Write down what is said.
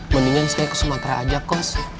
mendingan saya ke sumatera aja kok